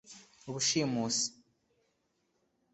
ubushimusi